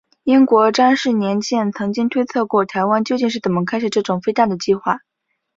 英国詹氏年鉴曾经推测过台湾究竟是怎么开始这种飞弹的计划。